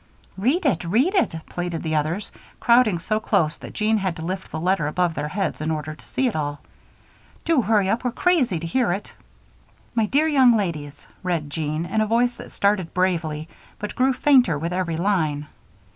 "Read it, read it," pleaded the others, crowding so close that Jean had to lift the letter above their heads in order to see it at all. "Do hurry up, we're crazy to hear it." "My Dear Young Ladies," read Jean in a voice that started bravely but grew fainter with every line.